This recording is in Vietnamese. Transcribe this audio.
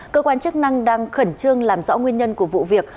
cơ quan chức năng đang khẩn trương làm rõ nguyên nhân của vụ việc